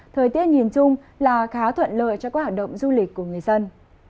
thời tiết nhìn chung là khá thuận lợi cho các hoạt động du lịch của người dân